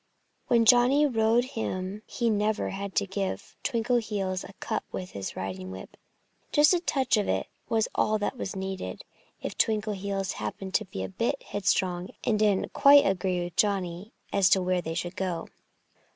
When Johnnie rode him he never had to give Twinkleheels a cut with his riding whip. Just a touch of it was all that was needed if Twinkleheels happened to be a bit headstrong and didn't quite agree with Johnnie as to where they should go.